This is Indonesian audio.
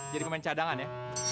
jadi pemain cadangan ya